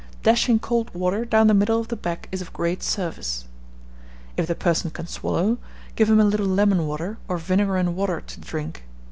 Dashing cold water down the middle of the back is of great service. If the person can swallow, give him a little lemon water, or vinegar and water to drink.